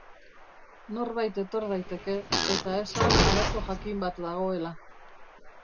Norbait etor daiteke eta esan arazo jakin bat dagoela.